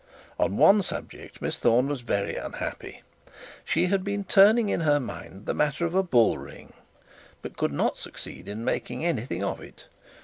On one subject Miss Thorne was very unhappy. She had been turning in her mind the matter of the bull ring, but could not succeed in making anything of it.